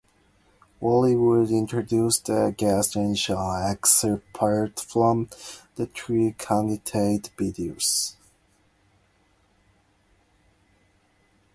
Woolery would introduce the guest and show excerpts from the three candidates' videos.